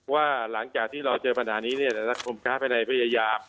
ว่าหลังจากที่เราเจอปัญหานี้นักคลุ้มค้าไปในพยายาม